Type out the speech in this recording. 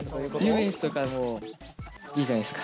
遊園地とかもいいじゃないですか。